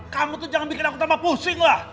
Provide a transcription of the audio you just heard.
kamu tuh jangan bikin aku tambah pusing lah